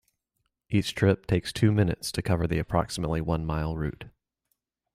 Each trip takes two minutes to cover the approximately one-mile route.